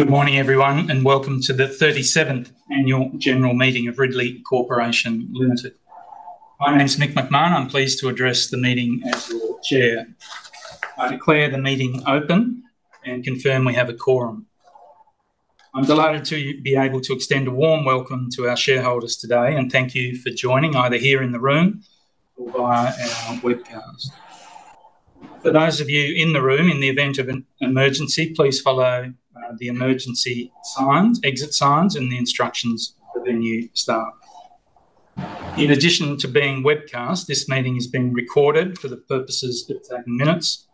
Good morning, everyone, and welcome to the 37th Annual General Meeting of Ridley Corporation Limited. My name's Mick McMahon. I'm pleased to address the meeting as your chair. I declare the meeting open and confirm we have a quorum. I'm delighted to be able to extend a warm welcome to our shareholders today, and thank you for joining either here in the room or via our webcast. For those of you in the room, in the event of an emergency, please follow the emergency signs, exit signs, and the instructions for venue staff. In addition to being webcast, this meeting is being recorded for the purposes of taking minutes,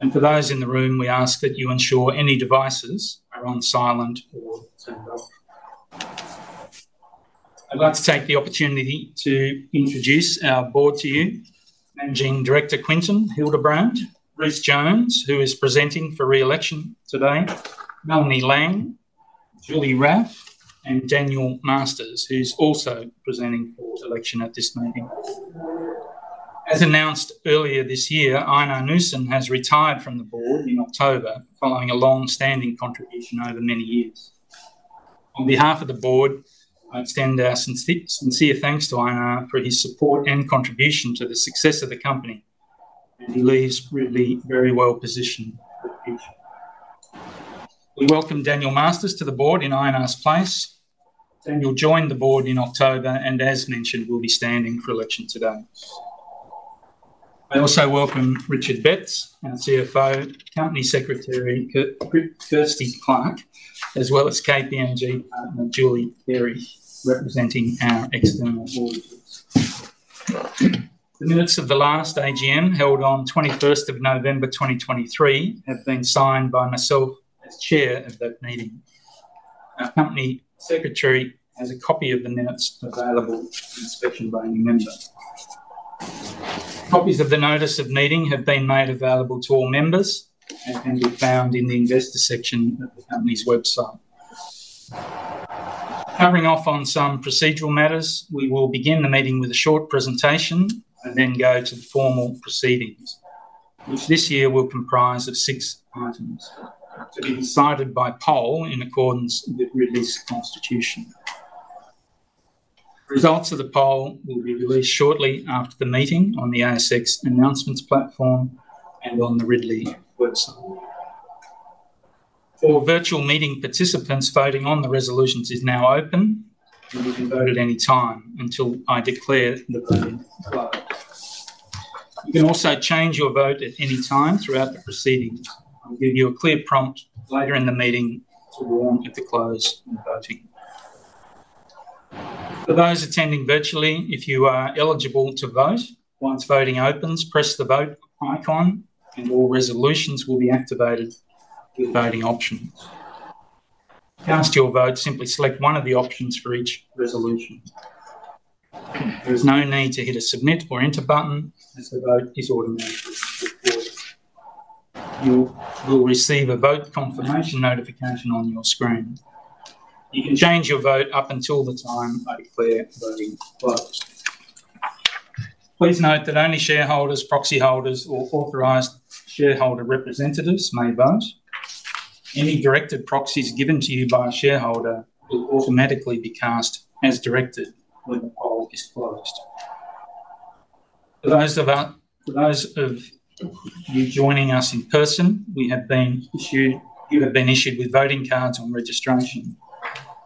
and for those in the room, we ask that you ensure any devices are on silent or turned off. I'd like to take the opportunity to introduce our board to you: Managing Director Quinton Hildebrand, Rhys Jones, who is presenting for re-election today, Melanie Lang, Julie Raffe, and Daniel Masters, who's also presenting for election at this meeting. As announced earlier this year, Ejnar Knudsen has retired from the board in October following a long-standing contribution over many years. On behalf of the board, I extend our sincere thanks to Ejnar for his support and contribution to the success of the company, and he leaves Ridley very well positioned for the future. We welcome Daniel Masters to the board in Ejnar's place. Daniel joined the board in October and, as mentioned, will be standing for election today. I also welcome Richard Betts, our CFO, Company Secretary Kirsty Clarke, as well as KPMG partner Julie Carey representing our external auditors. The minutes of the last AGM held on 21st of November 2023 have been signed by myself as chair of that meeting. Our Company Secretary has a copy of the minutes available for inspection by any member. Copies of the notice of meeting have been made available to all members and can be found in the investor section of the company's website. Covering off on some procedural matters, we will begin the meeting with a short presentation and then go to formal proceedings, which this year will comprise of six items to be decided by poll in accordance with Ridley's constitution. The results of the poll will be released shortly after the meeting on the ASX announcements platform and on the Ridley website. For virtual meeting participants, voting on the resolutions is now open, and you can vote at any time until I declare the vote closed. You can also change your vote at any time throughout the proceedings. I'll give you a clear prompt later in the meeting to warn at the close of the voting. For those attending virtually, if you are eligible to vote, once voting opens, press the vote icon, and all resolutions will be activated with voting options. To cast your vote, simply select one of the options for each resolution. There is no need to hit a submit or enter button, as the vote is automatically recorded. You will receive a vote confirmation notification on your screen. You can change your vote up until the time I declare voting closed. Please note that only shareholders, proxy holders, or authorized shareholder representatives may vote. Any directed proxies given to you by a shareholder will automatically be cast as directed when the poll is closed. For those of you joining us in person, we have been issued with voting cards on registration.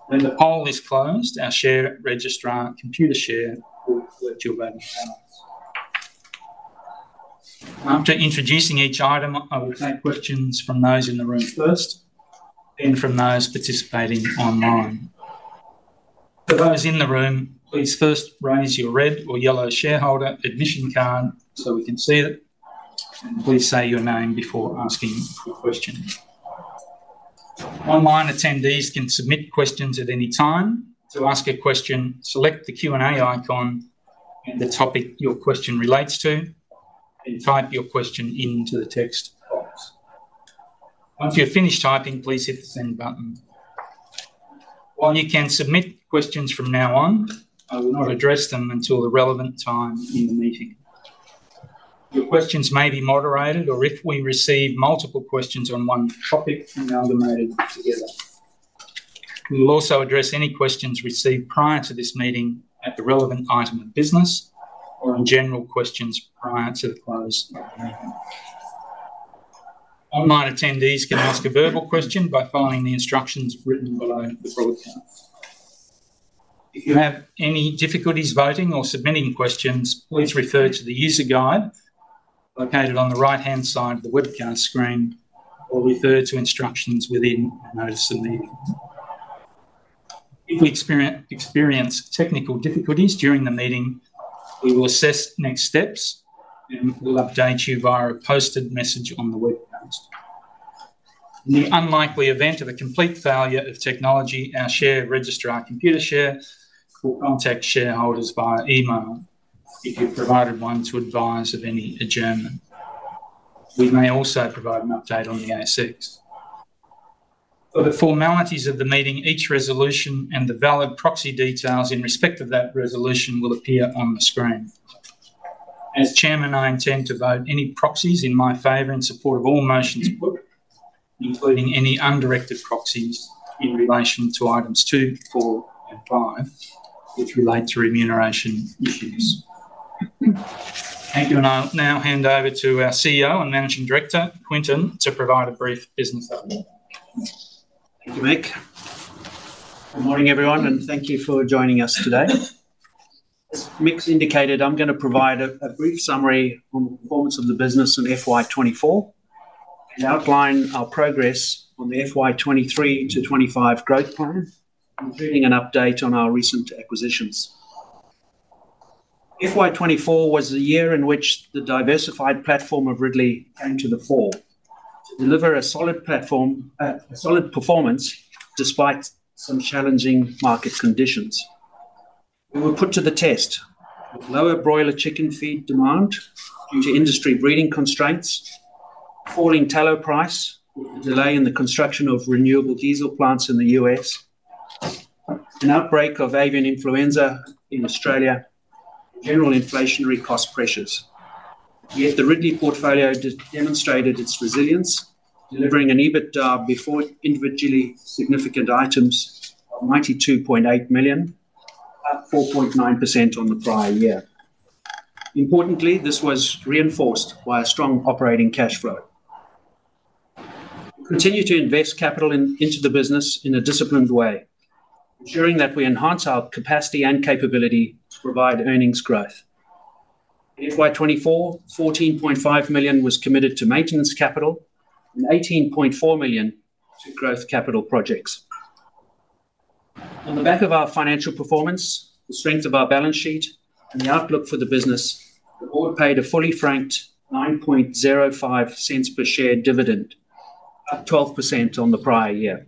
When the poll is closed, our share registrar, Computershare, will collect your voting cards. After introducing each item, I will take questions from those in the room first, then from those participating online. For those in the room, please first raise your red or yellow shareholder admission card so we can see it, and please say your name before asking a question. Online attendees can submit questions at any time. To ask a question, select the Q&A icon and the topic your question relates to, then type your question into the text box. Once you're finished typing, please hit the send button. While you can submit questions from now on, I will not address them until the relevant time in the meeting. Your questions may be moderated, or if we receive multiple questions on one topic, we may answer them together. We will also address any questions received prior to this meeting at the relevant item of business or in general questions prior to the close of the meeting. Online attendees can ask a verbal question by following the instructions written below the broadcast. If you have any difficulties voting or submitting questions, please refer to the user guide located on the right-hand side of the webcast screen or refer to instructions within the notice of meeting. If we experience technical difficulties during the meeting, we will assess next steps and will update you via a posted message on the webcast. In the unlikely event of a complete failure of technology, our share registrar, Computershare, will contact shareholders via email if you've provided one to advise of any adjournment. We may also provide an update on the ASX. For the formalities of the meeting, each resolution and the valid proxy details in respect of that resolution will appear on the screen. As Chairman, I intend to vote any proxies in my favour in support of all motions put, including any undirected proxies in relation to items two, four, and five, which relate to remuneration issues. Thank you, and I'll now hand over to our CEO and Managing Director, Quinton, to provide a brief business update. Thank you, Mick. Good morning, everyone, and thank you for joining us today. As Mick's indicated, I'm going to provide a brief summary on the performance of the business in FY 2024 and outline our progress on the FY 2023 to 2025 growth plan, including an update on our recent acquisitions. FY 2024 was a year in which the diversified platform of Ridley came to the fore to deliver a solid performance despite some challenging market conditions. We were put to the test with lower broiler chicken feed demand due to industry breeding constraints, falling tallow price, a delay in the construction of renewable diesel plants in the U.S., an outbreak of avian influenza in Australia, and general inflationary cost pressures. Yet the Ridley portfolio demonstrated its resilience, delivering an EBITDA before individually significant items of 92.8 million, up 4.9% on the prior year. Importantly, this was reinforced by a strong operating cash flow. We continue to invest capital into the business in a disciplined way, ensuring that we enhance our capacity and capability to provide earnings growth. In FY 20 2024, 14.5 million was committed to maintenance capital and 18.4 million to growth capital projects. On the back of our financial performance, the strength of our balance sheet, and the outlook for the business, the board paid a fully franked 0.0905 per share dividend, up 12% on the prior year.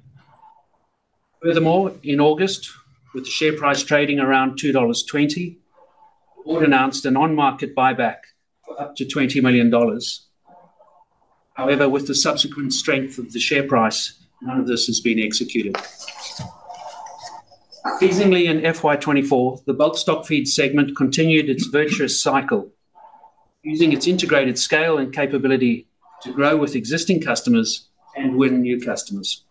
Furthermore, in August, with the share price trading around 2.20 dollars, the board announced an on-market buyback for up to 20 million dollars. However, with the subsequent strength of the share price, none of this has been executed. Seasonally in FY 2024, the bulk stock feed segment continued its virtuous cycle, using its integrated scale and capability to grow with existing customers and win new customers.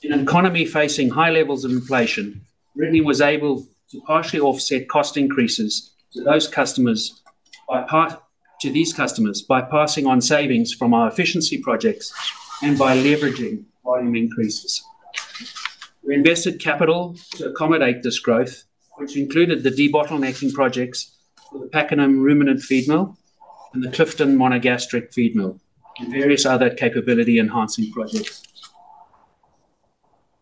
In an economy facing high levels of inflation, Ridley was able to partially offset cost increases to those customers by passing on savings from our efficiency projects and by leveraging volume increases. We invested capital to accommodate this growth, which included the debottlenecking projects for the Pakenham Ruminant Feed Mill and the Clifton Monogastric Feed Mill and various other capability-enhancing projects.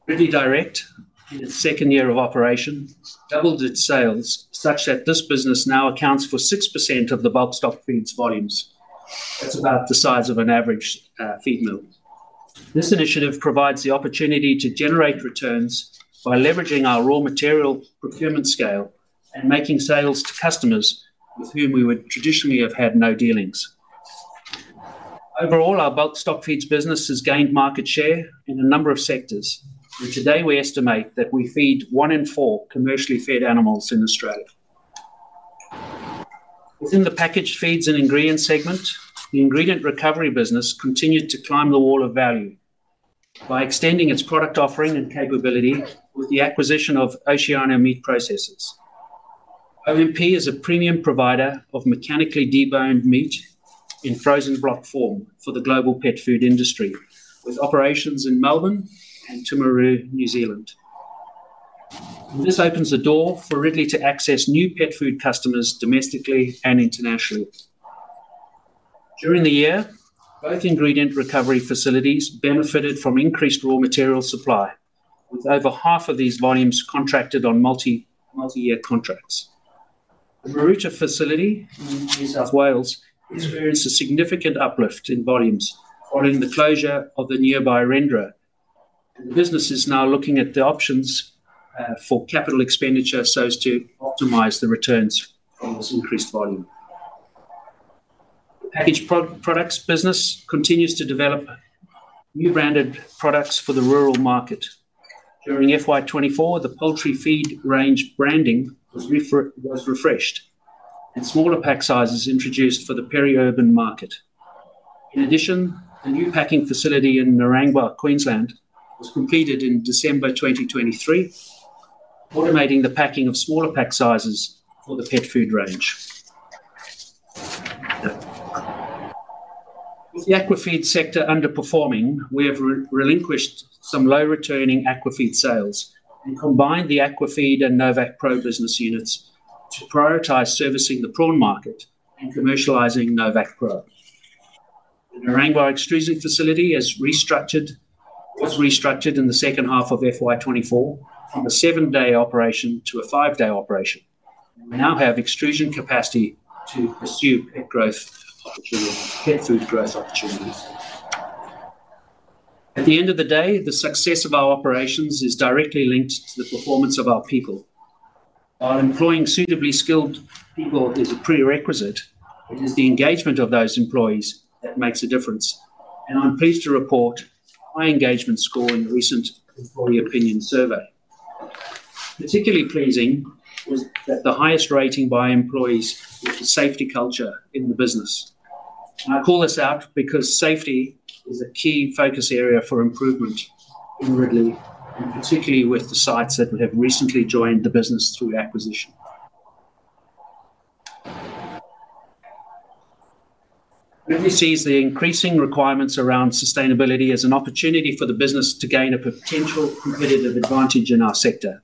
Ridley Direct, in its second year of operation, doubled its sales such that this business now accounts for 6% of the bulk stock feed's volumes. That's about the size of an average feed mill. This initiative provides the opportunity to generate returns by leveraging our raw material procurement scale and making sales to customers with whom we would traditionally have had no dealings. Overall, our bulk stock feeds business has gained market share in a number of sectors, and today we estimate that we feed one in four commercially fed animals in Australia. Within the packaged feeds and ingredients segment, the ingredient recovery business continued to climb the wall of value by extending its product offering and capability with the acquisition of Oceania Meat Processors. OMP is a premium provider of mechanically deboned meat in frozen block form for the global pet food industry, with operations in Melbourne and Timaru, New Zealand. This opens the door for Ridley to access new pet food customers domestically and internationally. During the year, both ingredient recovery facilities benefited from increased raw material supply, with over half of these volumes contracted on multi-year contracts. The Marulan facility in New South Wales experienced a significant uplift in volumes following the closure of the nearby rendere, and the business is now looking at the options for capital expenditure so as to optimize the returns from this increased volume. The packaged products business continues to develop new branded products for the rural market. During FY 2024, the poultry feed range branding was refreshed, and smaller pack sizes introduced for the peri-urban market. In addition, a new packing facility in Narangba, Queensland, was completed in December 2023, automating the packing of smaller pack sizes for the pet food range. With the aquafeed sector underperforming, we have relinquished some low-returning aquafeed sales and combined the aquafeed and NovaqPro business units to prioritize servicing the prawn market and commercializing NovaqPro. The Narangba Extrusion Facility was restructured in the second half of FY 2024 from a seven-day operation to a five-day operation, and we now have extrusion capacity to pursue pet food growth opportunities. At the end of the day, the success of our operations is directly linked to the performance of our people. While employing suitably skilled people is a prerequisite, it is the engagement of those employees that makes a difference, and I'm pleased to report a high engagement score in a recent employee opinion survey. Particularly pleasing is that the highest rating by employees is the safety culture in the business. I call this out because safety is a key focus area for improvement in Ridley, and particularly with the sites that have recently joined the business through acquisition. Ridley sees the increasing requirements around sustainability as an opportunity for the business to gain a potential competitive advantage in our sector.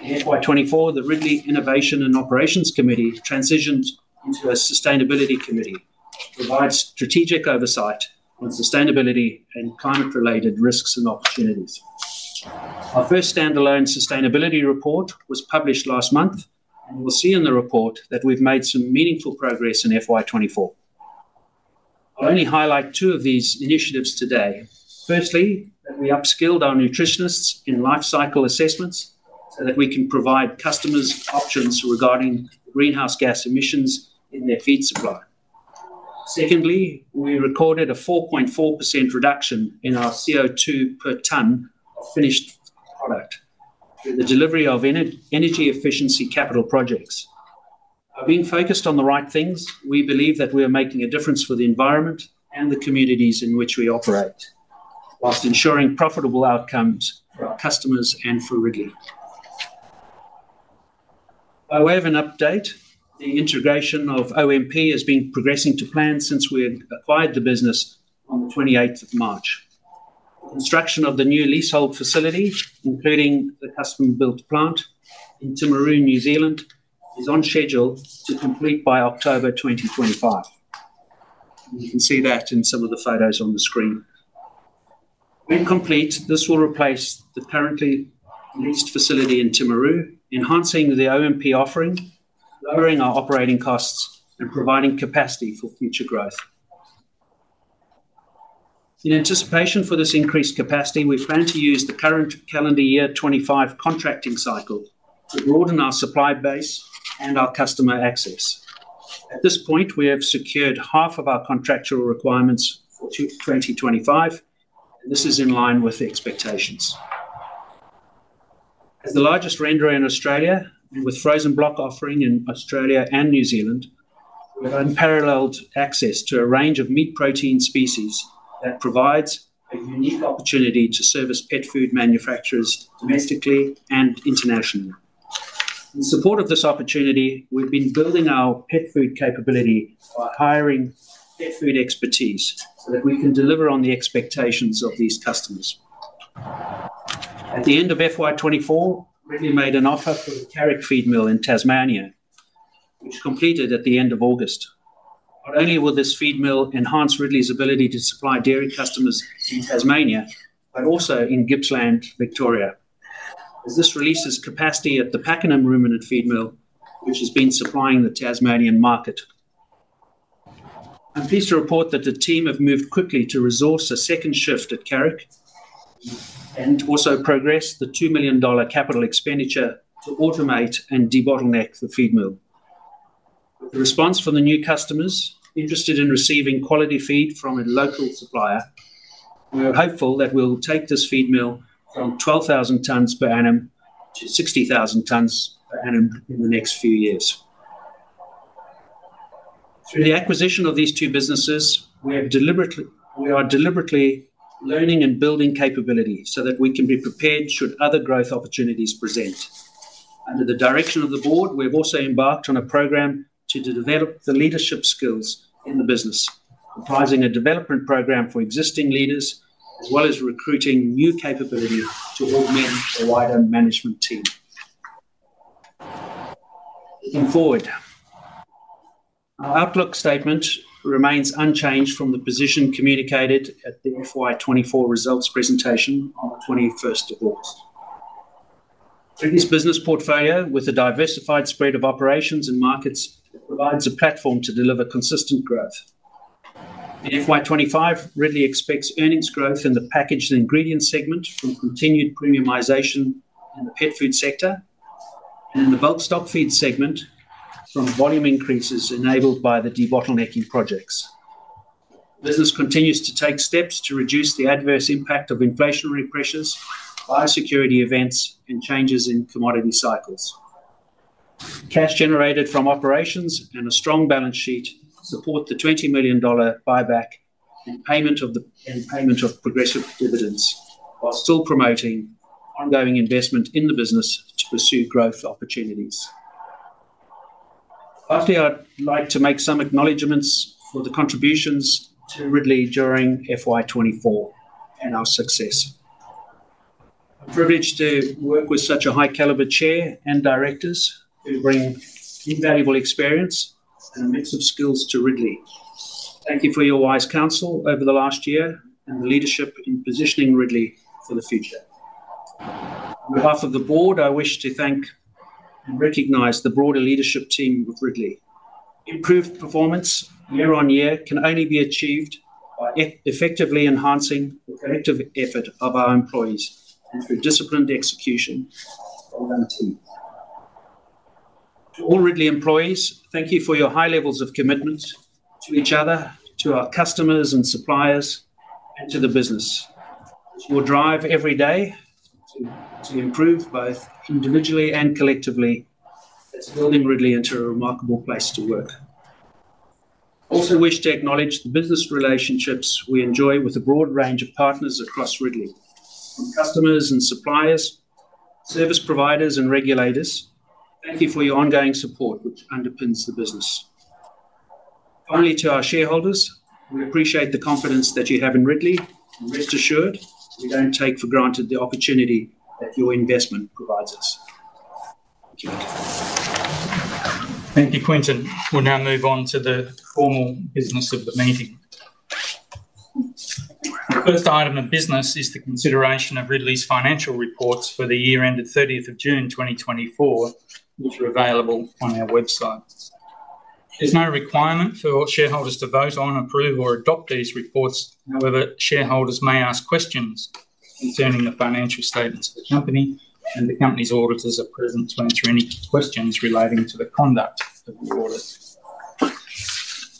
In FY24, the Ridley Innovation and Operations Committee transitioned into a sustainability committee that provides strategic oversight on sustainability and climate-related risks and opportunities. Our first standalone sustainability report was published last month, and you'll see in the report that we've made some meaningful progress in FY24. I'll only highlight two of these initiatives today. Firstly, we upskilled our nutritionists in life cycle assessments so that we can provide customers options regarding greenhouse gas emissions in their feed supply. Secondly, we recorded a 4.4% reduction in our CO2 per tonne of finished product through the delivery of energy efficiency capital projects. By being focused on the right things, we believe that we are making a difference for the environment and the communities in which we operate, while ensuring profitable outcomes for our customers and for Ridley. By way of an update, the integration of OMP has been progressing to plan since we acquired the business on the 28th of March. The construction of the new leasehold facility, including the custom-built plant in Timaru, New Zealand, is on schedule to complete by October 2025. You can see that in some of the photos on the screen. When complete, this will replace the currently leased facility in Timaru, enhancing the OMP offering, lowering our operating costs, and providing capacity for future growth. In anticipation for this increased capacity, we plan to use the current calendar year 2025 contracting cycle to broaden our supply base and our customer access. At this point, we have secured half of our contractual requirements for 2025, and this is in line with expectations. As the largest renderer in Australia and with frozen block offering in Australia and New Zealand, we have unparalleled access to a range of meat protein species that provides a unique opportunity to service pet food manufacturers domestically and internationally. In support of this opportunity, we've been building our pet food capability by hiring pet food expertise so that we can deliver on the expectations of these customers. At the end of FY 2024, Ridley made an offer for the Carrick Feed Mill in Tasmania, which completed at the end of August. Not only will this feed mill enhance Ridley's ability to supply dairy customers in Tasmania, but also in Gippsland, Victoria, as this releases capacity at the Pakenham Ruminant Feed Mill, which has been supplying the Tasmanian market. I'm pleased to report that the team have moved quickly to resource a second shift at Carrick and also progress the 2 million dollar capital expenditure to automate and debottleneck the feed mill. With the response from the new customers interested in receiving quality feed from a local supplier, we are hopeful that we'll take this feed mill from 12,000 tonnes per annum to 60,000 tonnes per annum in the next few years. Through the acquisition of these two businesses, we are deliberately learning and building capability so that we can be prepared should other growth opportunities present. Under the direction of the board, we have also embarked on a program to develop the leadership skills in the business, comprising a development program for existing leaders as well as recruiting new capability to augment the wider management team. Looking forward, our outlook statement remains unchanged from the position communicated at the FY 2024 results presentation on the 21st of August. Ridley's business portfolio, with a diversified spread of operations and markets, provides a platform to deliver consistent growth. In FY 2025, Ridley expects earnings growth in the packaged ingredients segment from continued premiumization in the pet food sector, and in the bulk stock feed segment from volume increases enabled by the debottlenecking projects. The business continues to take steps to reduce the adverse impact of inflationary pressures, biosecurity events, and changes in commodity cycles. Cash generated from operations and a strong balance sheet support the 20 million dollar buyback and payment of progressive dividends, while still promoting ongoing investment in the business to pursue growth opportunities. Lastly, I'd like to make some acknowledgements for the contributions to Ridley during FY 2024 and our success. I'm privileged to work with such a high-caliber chair and directors who bring invaluable experience and a mix of skills to Ridley. Thank you for your wise counsel over the last year and the leadership in positioning Ridley for the future. On behalf of the board, I wish to thank and recognize the broader leadership team of Ridley. Improved performance year on year can only be achieved by effectively enhancing the collective effort of our employees and through disciplined execution of our team. To all Ridley employees, thank you for your high levels of commitment to each other, to our customers and suppliers, and to the business. It's your drive every day to improve both individually and collectively that's building Ridley into a remarkable place to work. I also wish to acknowledge the business relationships we enjoy with a broad range of partners across Ridley, from customers and suppliers, service providers, and regulators. Thank you for your ongoing support, which underpins the business. Finally, to our shareholders, we appreciate the confidence that you have in Ridley, and rest assured, we don't take for granted the opportunity that your investment provides us. Thank you. Thank you, Quinton. We'll now move on to the formal business of the meeting. The first item of business is the consideration of Ridley's financial reports for the year ended 30th of June 2024, which are available on our website. There's no requirement for shareholders to vote on, approve, or adopt these reports. However, shareholders may ask questions concerning the financial statements of the company, and the company's auditors are present to answer any questions relating to the conduct of the audit.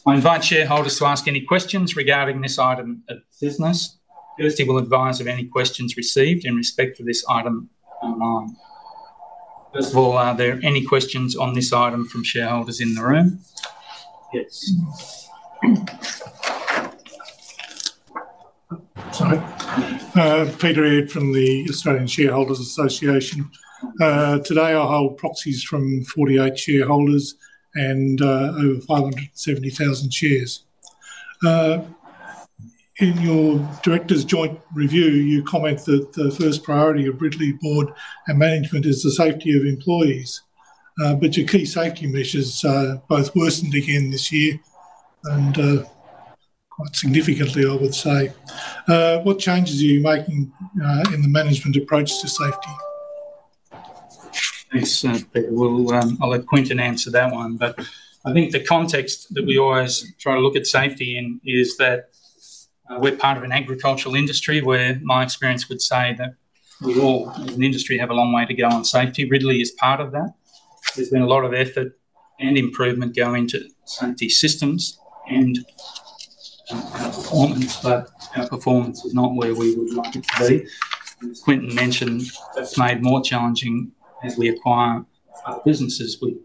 I invite shareholders to ask any questions regarding this item of business. First, I will advise of any questions received in respect of this item online. First of all, are there any questions on this item from shareholders in the room? Yes Sorry. Peter Aird from the Australian Shareholders Association. Today, I hold proxies from 48 shareholders and over 570,000 shares. In your director's joint review, you comment that the first priority of Ridley Board and management is the safety of employees, but your key safety measures are both worsened again this year and quite significantly, I would say. What changes are you making in the management approach to safety? Thanks, Peter. I'll let Quinton answer that one, but I think the context that we always try to look at safety in is that we're part of an agricultural industry where, my experience would say, that we all, as an industry, have a long way to go on safety. Ridley is part of that. There's been a lot of effort and improvement going into safety systems and performance, but our performance is not where we would like it to be. As Quinton mentioned, that's made more challenging as we acquire other businesses, which,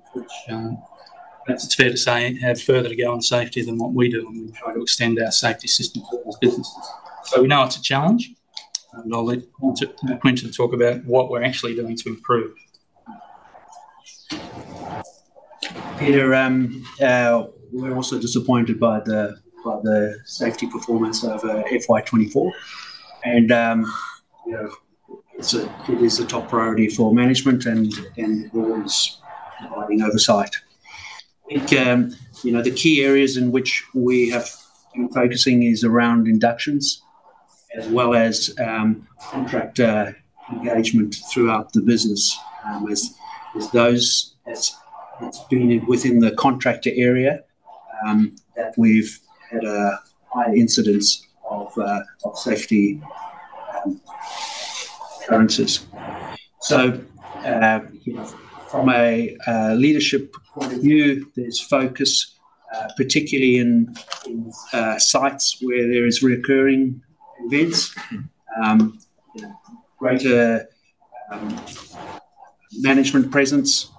it's fair to say, have further to go on safety than what we do when we try to extend our safety systems to other businesses. So we know it's a challenge, but I'll let Quinton talk about what we're actually doing to improve. Peter, we're also disappointed by the safety performance of FY 2024, and it is a top priority for management and boards providing oversight. I think the key areas in which we have been focusing is around inductions as well as contractor engagement throughout the business. It's been within the contractor area that we've had a high incidence of safety occurrences. So from a leadership point of view, there's focus, particularly in sites where there are reoccurring events, greater management presence,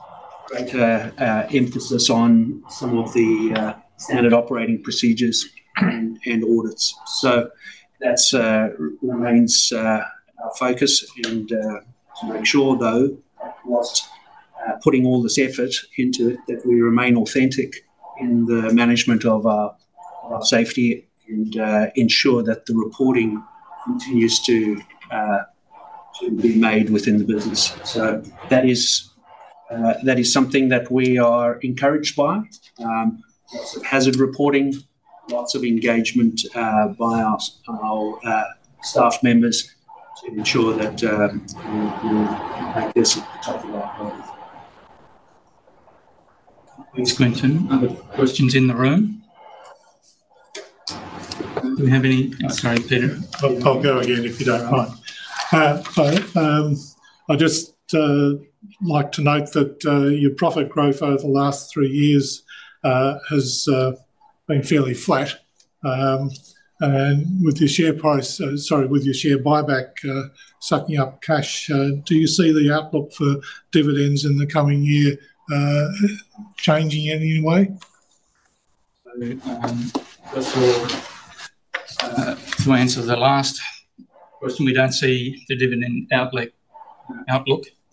greater emphasis on some of the standard operating procedures and audits. So that remains our focus, and to make sure, though, whilst putting all this effort into it, that we remain authentic in the management of our safety and ensure that the reporting continues to be made within the business. So that is something that we are encouraged by. Lots of hazard reporting, lots of engagement by our staff members to ensure that we're at the top of our ability. Thanks, Quinton. Other questions in the room? Do we have any? Sorry, Peter. I'll go again if you don't mind. I just like to note that your profit growth over the last three years has been fairly flat. And with your share price, sorry, with your share buyback sucking up cash, do you see the outlook for dividends in the coming year changing in any way? So to answer the last question, we don't see the dividend outlook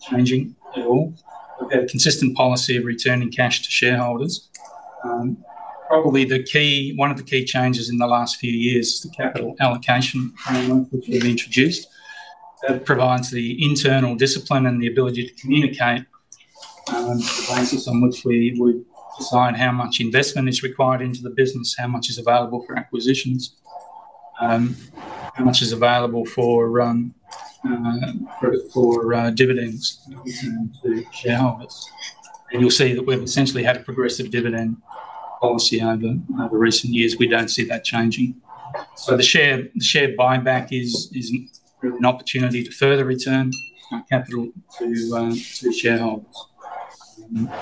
changing at all. We've had a consistent policy of returning cash to shareholders. Probably one of the key changes in the last few years is the capital allocation framework which we've introduced. That provides the internal discipline and the ability to communicate the basis on which we decide how much investment is required into the business, how much is available for acquisitions, how much is available for dividends to shareholders. And you'll see that we've essentially had a progressive dividend policy over recent years. We don't see that changing. So the share buyback is an opportunity to further return capital to shareholders.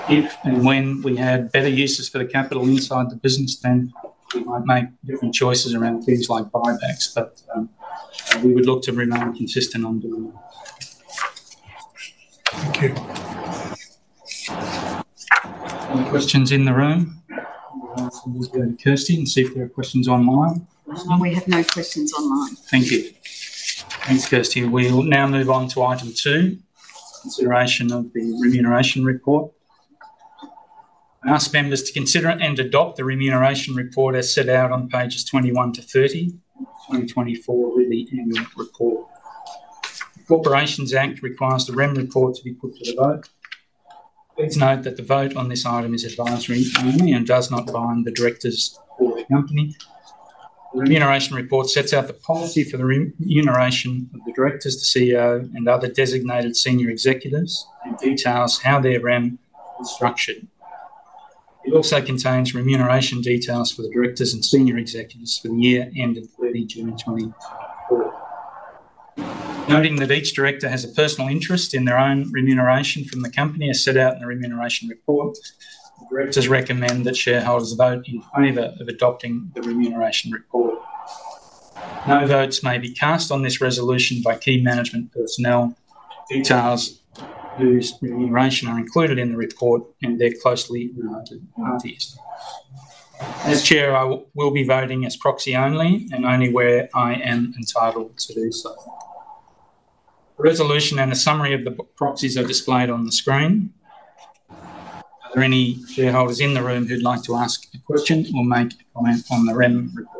If and when we have better uses for the capital inside the business, then we might make different choices around things like buybacks, but we would look to remain consistent on dividends. Thank you. Any questions in the room? We'll ask Kirsty and see if there are questions online. We have no questions online. Thank you. Thanks, Kirsty. We will now move on to item two, consideration of the Remuneration Report. We ask members to consider and adopt the remuneration report as set out on pages 21 to 30 of 2024 Ridley Annual Report. The Corporations Act requires the remuneration report to be put to the vote. Please note that the vote on this item is advisory only and does not bind the directors or the company. The remuneration report sets out the policy for the remuneration of the directors, the CEO, and other designated senior executives and details how their remuneration is structured. It also contains remuneration details for the directors and senior executives for the year ended 30 June 2024. Noting that each director has a personal interest in their own remuneration from the company as set out in the remuneration report, the directors recommend that shareholders vote in favor of adopting the remuneration report. No votes may be cast on this resolution by key management personnel. Details of whose remuneration are included in the report and their closely related parties. As chair, I will be voting as proxy only and only where I am entitled to do so. The resolution and a summary of the proxies are displayed on the screen. Are there any shareholders in the room who'd like to ask a question or make a comment on the remuneration report?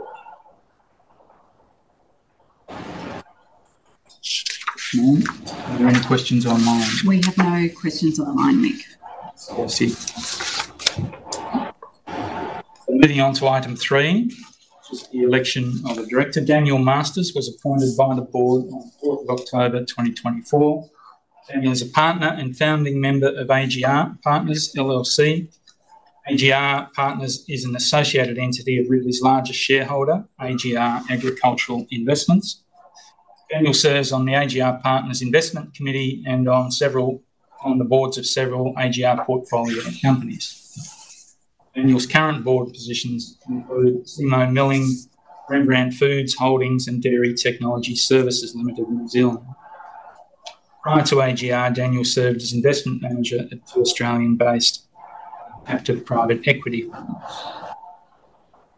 Are there any questions online? We have no questions online, Mick. Thanks, Kirsty. Moving on to item three, which is the election of a director. Daniel Masters was appointed by the board on 4th of October 2024. Daniel is a partner and founding member of AGR Partners, LLC. AGR Partners is an associated entity of Ridley's largest shareholder, AGR Agricultural Investments. Daniel serves on the AGR Partners Investment Committee and on the boards of several AGR portfolio companies. Daniel's current board positions include SEMO Milling, Rembrandt Foods Holdings, and Dairy Technology Services Limited, New Zealand. Prior to AGR, Daniel served as investment manager at two Australian-based captive private equity firms.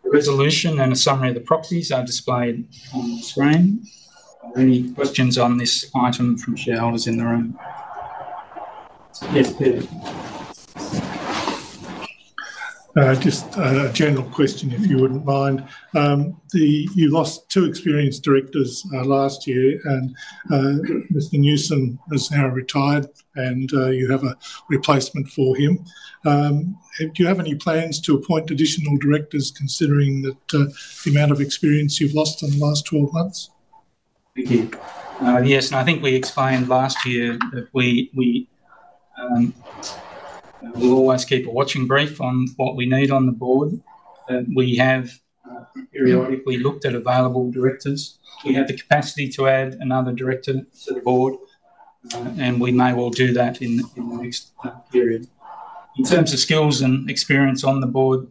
The resolution and a summary of the proxies are displayed on the screen. Are there any questions on this item from shareholders in the room? Yes, Peter. Just a general question, if you wouldn't mind. You lost two experienced directors last year, and Mr. Knudsen has now retired, and you have a replacement for him. Do you have any plans to appoint additional directors, considering the amount of experience you've lost in the last 12 months? Thank you. Yes. And I think we explained last year that we will always keep a watching brief on what we need on the board. We have periodically looked at available directors. We have the capacity to add another director to the board, and we may well do that in the next period. In terms of skills and experience on the board,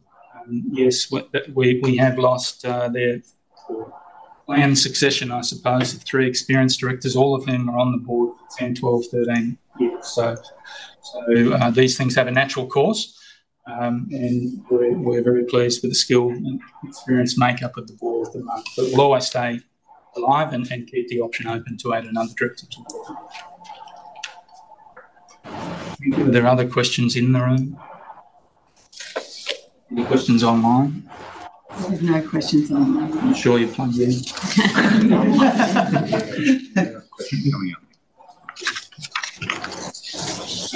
yes, we have lost their planned succession, I suppose, of three experienced directors. All of them are on the board for 10, 12, 13 years. So these things have a natural course, and we're very pleased with the skill and experience makeup of the board at the moment. But we'll always stay alive and keep the option open to add another director to the board. Are there other questions in the room? Any questions online? We have no questions online. I'm sure you're plugged in.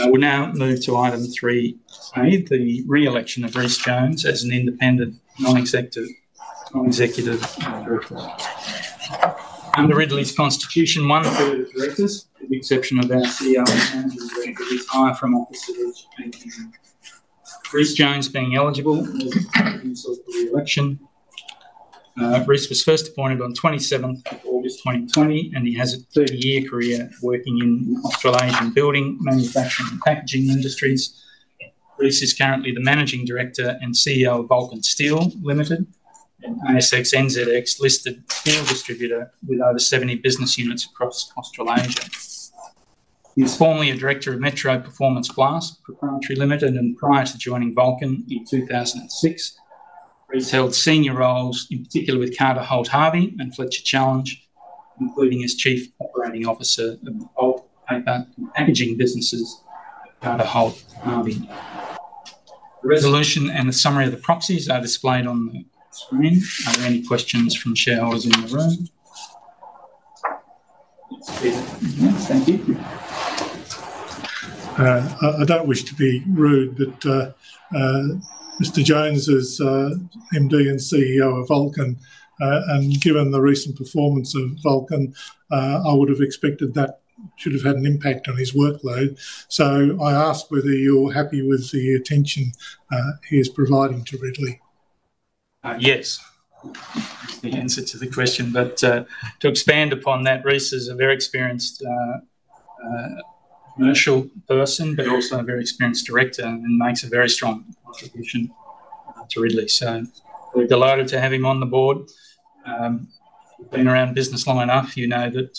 We'll now move to item three A, the re-election of Rhys Jones as an Independent Non-Executive Director. Under Ridley's constitution, one third of directors, with the exception of our CEO and Managing Director, retire from office at each AGM. Rhys Jones being eligible as a candidate for re-election. Rhys was first appointed on 27th of August 2020, and he has a 30-year career working in Australasian building, manufacturing, and packaging industries. Rhys is currently the Managing Director and CEO of Vulcan Steel Limited, an ASX/NZX listed steel distributor with over 70 business units across Australasia. He was formerly a director of Metro Performance Glass Limited, and prior to joining Vulcan in 2006, Rhys held senior roles, in particular with Carter Holt Harvey and Fletcher Challenge, including as Chief Operating Officer of the bulk paper and packaging businesses at Carter Holt Harvey. The resolution and the summary of the proxies are displayed on the screen. Are there any questions from shareholders in the room? Thank you. I don't wish to be rude, but Mr. Jones is MD and CEO of Vulcan, and given the recent performance of Vulcan, I would have expected that should have had an impact on his workload. So I ask whether you're happy with the attention he is providing to Ridley. Yes. That's the answer to the question. But to expand upon that, Rhys is a very experienced commercial person, but also a very experienced director and makes a very strong contribution to Ridley. So we're delighted to have him on the board. We've been around business long enough, you know, that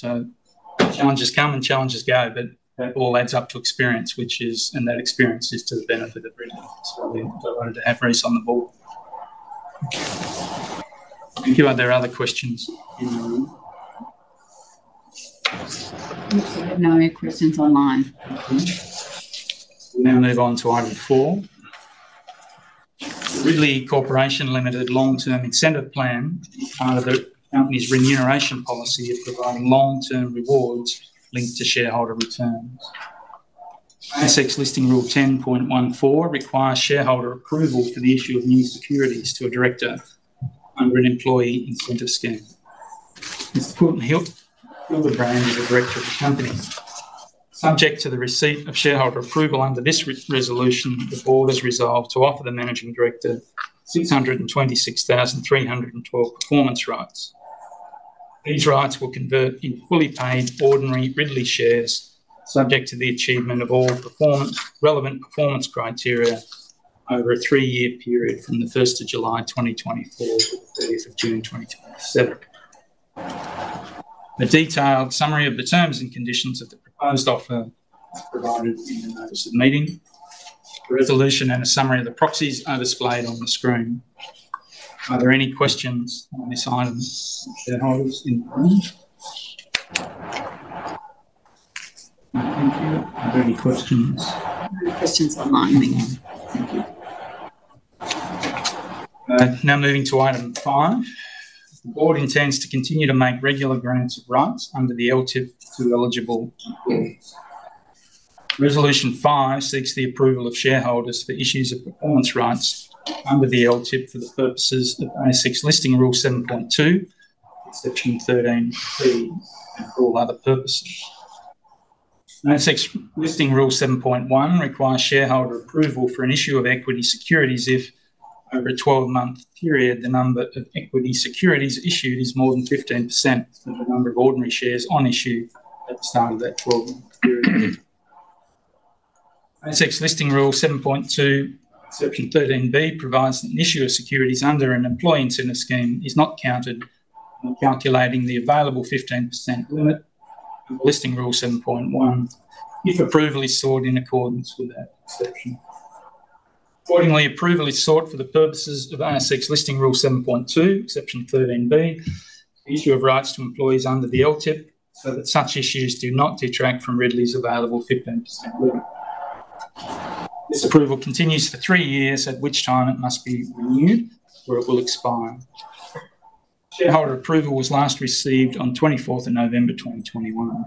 challenges come and challenges go, but that all adds up to experience, and that experience is to the benefit of Ridley. So we're delighted to have Rhys on the board. Thank you. Are there other questions in the room? No questions online. We'll now move on to item four, Ridley Corporation Limited long-term incentive plan, part of the company's remuneration policy of providing long-term rewards linked to shareholder returns. ASX listing rule 10.14 requires shareholder approval for the issue of new securities to a director under an employee incentive scheme. Mr. Hildebrand is a director of the company. Subject to the receipt of shareholder approval under this resolution, the board has resolved to offer the managing director 626,312 performance rights. These rights will convert into fully paid ordinary Ridley shares, subject to the achievement of all relevant performance criteria over a three-year period from the 1st of July 2024 to the 30th of June 2027. A detailed summary of the terms and conditions of the proposed offer is provided in the notice of meeting. The resolution and a summary of the proxies are displayed on the screen. Are there any questions on this item from shareholders in the room? Thank you. Are there any questions? No questions online. Thank you. Now moving to item five. The board intends to continue to make regular grants of rights under the LTIP to eligible employees. Resolution five seeks the approval of shareholders for issues of performance rights under the LTIP for the purposes of ASX listing rule 7.2, section 13C, and for all other purposes. ASX listing rule 7.1 requires shareholder approval for an issue of equity securities if, over a 12-month period, the number of equity securities issued is more than 15% of the number of ordinary shares on issue at the start of that 12-month period. ASX listing rule 7.2, section 13B, provides that an issue of securities under an employee incentive scheme is not counted when calculating the available 15% limit of listing rule 7.1 if approval is sought in accordance with that exception. Accordingly, approval is sought for the purposes of ASX listing rule 7.2, section 13B, the issue of rights to employees under the LTIP so that such issues do not detract from Ridley's available 15% limit. This approval continues for three years, at which time it must be renewed or it will expire. Shareholder approval was last received on 24th of November 2021.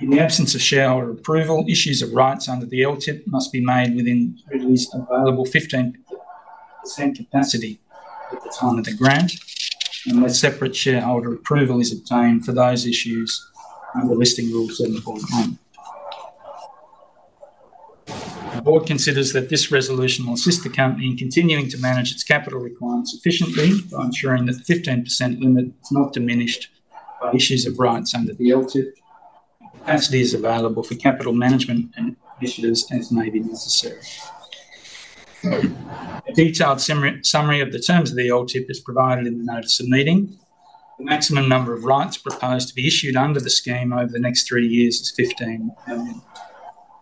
In the absence of shareholder approval, issues of rights under the LTIP must be made within Ridley's available 15% capacity at the time of the grant, unless separate shareholder approval is obtained for those issues under listing rule 7.1. The board considers that this resolution will assist the company in continuing to manage its capital requirements efficiently by ensuring that the 15% limit is not diminished by issues of rights under the LTIP, and capacity is available for capital management initiatives as may be necessary. A detailed summary of the terms of the LTIP is provided in the notice of meeting. The maximum number of rights proposed to be issued under the scheme over the next three years is 15 million.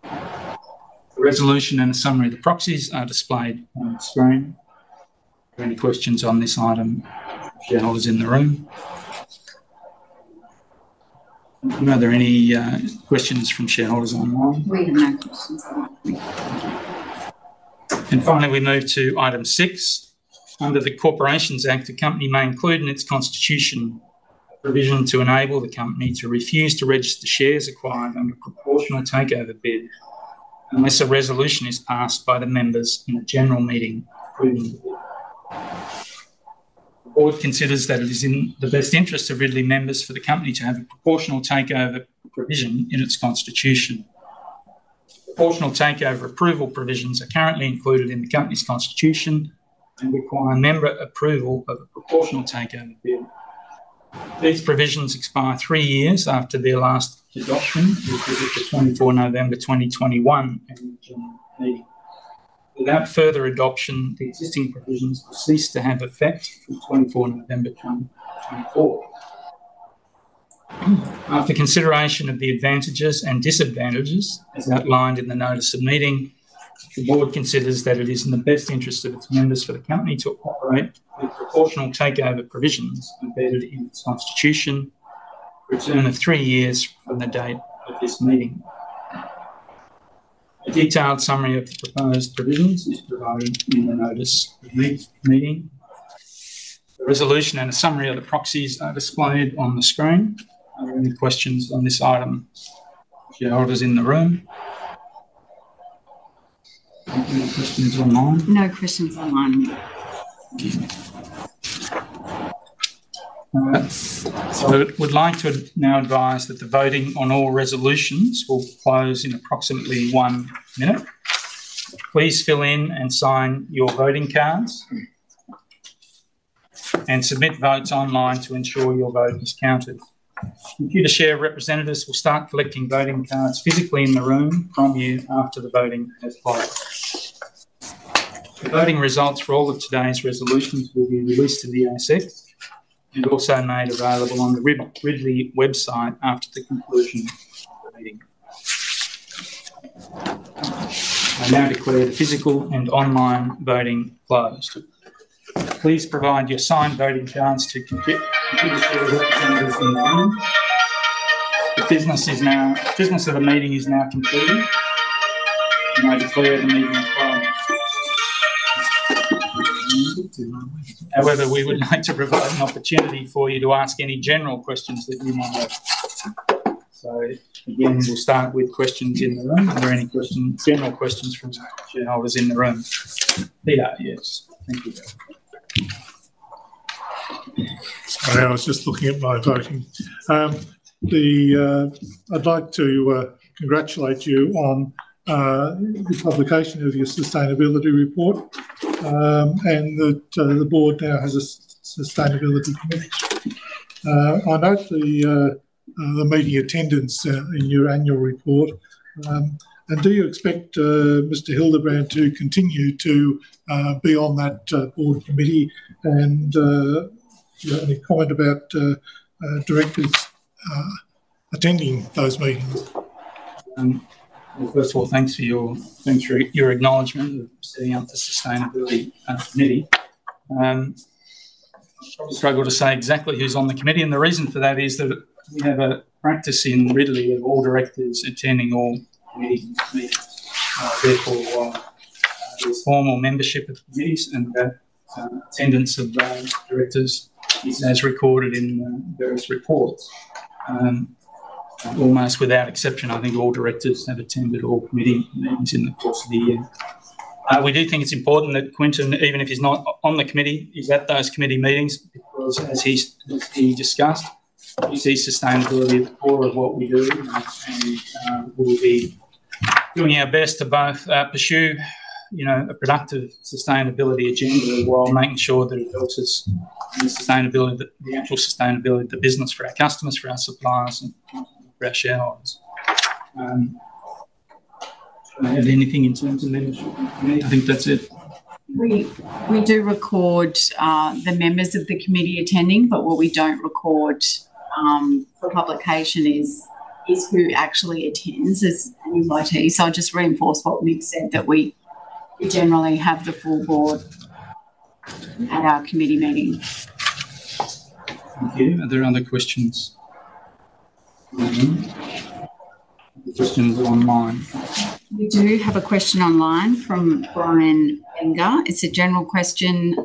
The resolution and a summary of the proxies are displayed on the screen. Are there any questions on this item from shareholders in the room? Are there any questions from shareholders online? We have no questions online. Thank you, and finally, we move to item six. Under the Corporations Act, a company may include in its constitution a provision to enable the company to refuse to register shares acquired under proportional takeover bid unless a resolution is passed by the members in a general meeting approving the bid. The board considers that it is in the best interest of Ridley members for the company to have a proportional takeover provision in its constitution. Proportional takeover approval provisions are currently included in the company's constitution and require member approval of a proportional takeover bid. These provisions expire three years after their last adoption, which is the 24th of November 2021, and require renewal. Without further adoption, the existing provisions will cease to have effect from 24 November 2024. After consideration of the advantages and disadvantages as outlined in the notice of meeting, the board considers that it is in the best interest of its members for the company to operate with proportional takeover provisions embedded in its constitution for a term of three years from the date of this meeting. A detailed summary of the proposed provisions is provided in the notice of meeting. The resolution and a summary of the proxies are displayed on the screen. Are there any questions on this item from shareholders in the room? No questions online. No questions online. Thank you. So I would like to now advise that the voting on all resolutions will close in approximately one minute. Please fill in and sign your voting cards and submit votes online to ensure your vote is counted. Computershare representatives will start collecting voting cards physically in the room from you after the voting has passed. The voting results for all of today's resolutions will be released to the ASX and also made available on the Ridley website after the conclusion of the meeting. I now declare the physical and online voting closed. Please provide your signed voting cards to Computershare representatives in the room. The business of the meeting is now completed. I now declare the meeting closed. However, we would like to provide an opportunity for you to ask any general questions that you might have. So again, we'll start with questions in the room. Are there any general questions from shareholders in the room? Peter, yes. Thank you. I was just looking at my voting. I'd like to congratulate you on the publication of your sustainability report and that the board now has a sustainability committee. I note the meeting attendance in your annual report. Do you expect Mr. Hildebrand to continue to be on that board committee? Do you have any comment about directors attending those meetings? First of all, thanks for your acknowledgement of setting up the sustainability committee. I struggle to say exactly who's on the committee, and the reason for that is that we have a practice in Ridley of all directors attending all committee meetings. Therefore, there's formal membership of committees, and attendance of directors is as recorded in various reports. Almost without exception, I think all directors have attended all committee meetings in the course of the year. We do think it's important that Quinton, even if he's not on the committee, is at those committee meetings because, as he discussed, he sees sustainability at the core of what we do, and we'll be doing our best to both pursue a productive sustainability agenda while making sure that it helps us in the actual sustainability of the business for our customers, for our suppliers, and for our shareholders. Do you have anything in terms of membership of the committee? I think that's it. We do record the members of the committee attending, but what we don't record for publication is who actually attends as an MD. So I'll just reinforce what Mick said, that we generally have the full board at our committee meeting. Thank you. Are there other questions? Any questions online? We do have a question online from Brian Edinger. It's a general question.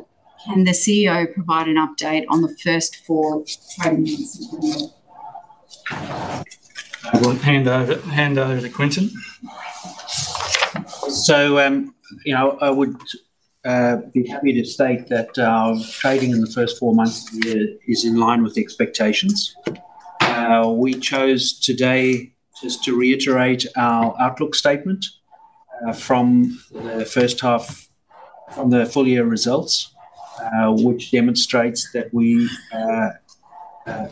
Can the CEO provide an update on the first four trading months of the year? I will hand over to Quinton. So I would be happy to state that our trading in the first four months of the year is in line with expectations. We chose today just to reiterate our outlook statement from the first half, from the full year results, which demonstrates that we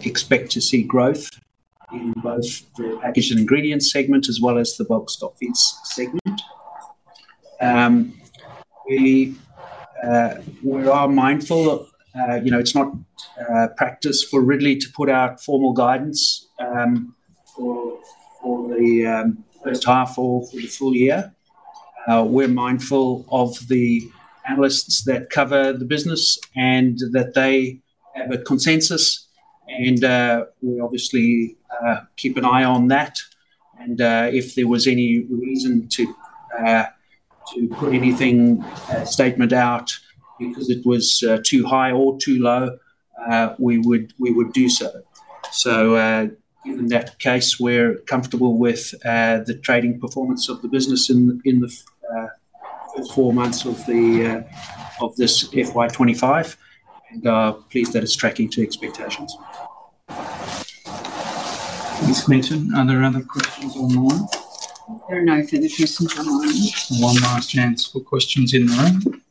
expect to see growth in both the packaged and ingredients segment as well as the bulk stock feeds segment. We are mindful that it's not practice for Ridley to put out formal guidance for the first half or for the full year. We're mindful of the analysts that cover the business and that they have a consensus, and we obviously keep an eye on that. And if there was any reason to put anything statement out because it was too high or too low, we would do so. So given that case, we're comfortable with the trading performance of the business in the first four months of this FY2025, and we're pleased that it's tracking to expectations. Thanks, Quinton. Are there other questions online? There are no further questions online. One last chance for questions in the room.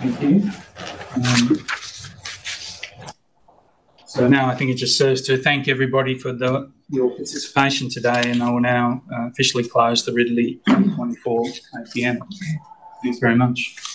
Thank you. So now I think it just serves to thank everybody for your participation today, and I will now officially close the Ridley 2024 APM. Thank you very much.